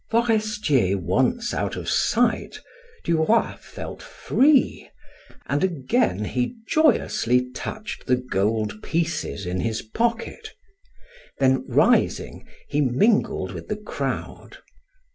Forestier once out of sight, Duroy felt free, and again he joyously touched the gold pieces in his pocket; then rising, he mingled with the crowd.